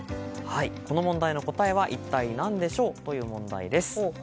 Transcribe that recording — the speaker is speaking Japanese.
この問題の答えは一体何でしょう？という問題です。